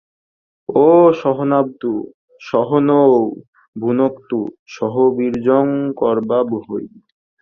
ওঁ সহনাববতু সহ নৌ ভুনক্তু সহ বীর্যং করবাবহৈ।